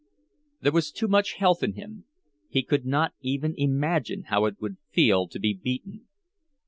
There was too much health in him. He could not even imagine how it would feel to be beaten.